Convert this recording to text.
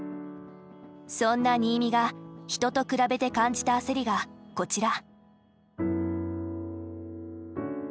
そんな新見が人と比べて感じた焦りがこちら。